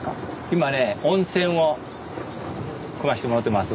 今ね温泉を汲ましてもらってます。